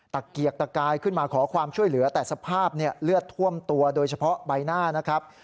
เกียกตะกายขึ้นมาขอความช่วยเหลือแต่สภาพเนี่ยเลือดท่วมตัวโดยเฉพาะใบหน้านะครับ